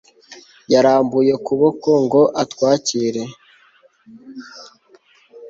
Yarambuye ukuboko ngo atwakire